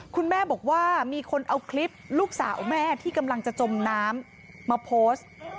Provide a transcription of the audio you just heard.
คุณแม่บอกว่ามีคนเอาคลิปลูกสาวแม่ที่กำลังจะจมน้ำมาโพสต์